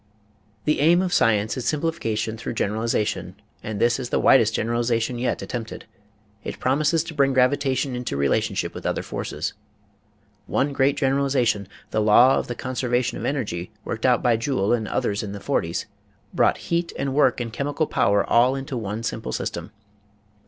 The aim of science is simplification through generali zation and this is the widest generalization yet at tempted. It promises to bring gravitation into rela tionship with other forces. One great generalization, the law of the conservation of energy worked out by Joule and others in the forties, brought heat and work and chemical power all into one simple system.